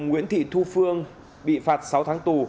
nguyễn thị thu phương bị phạt sáu tháng tù